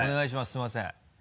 すいません。